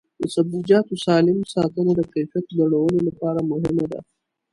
د سبزیجاتو سالم ساتنه د کیفیت لوړولو لپاره مهمه ده.